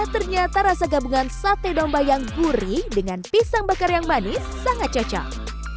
ternyata rasa gabungan sate domba yang gurih dengan pisang bakar yang manis sangat cocok